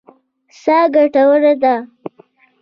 سا ګټوره ده.